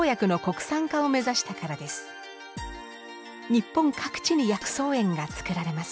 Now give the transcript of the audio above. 日本各地に薬草園がつくられます。